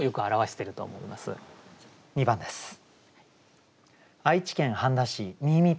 ２番です。